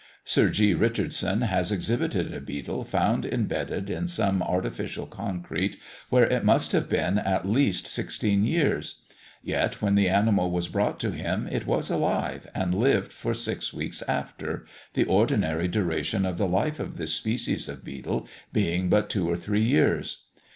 Sir G. Richardson has exhibited a beetle found imbedded in some artificial concrete, where it must have been at least sixteen years; yet, when the animal was brought to him, it was alive, and lived for six weeks after the ordinary duration of the life of this species of beetle being but two or three years.